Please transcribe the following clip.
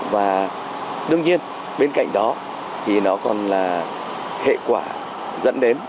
và đương nhiên bên cạnh đó thì nó còn là hệ quả dẫn đến